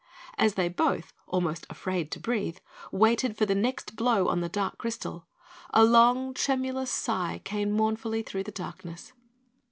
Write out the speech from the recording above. As they both, almost afraid to breathe, waited for the next blow on the dark crystal, a long, tremulous sigh came mournfully through the darkness.